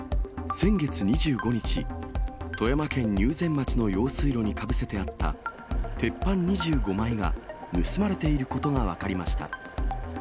先月２５日、富山県入善町の用水路にかぶせてあった鉄板２５枚が、盗まれていることが分かりました。